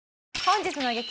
本日の激